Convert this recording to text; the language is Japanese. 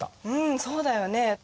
うんそうだよね。